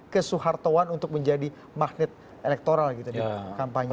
ke suhartoan untuk menjadi magnet elektoral gitu di kampanye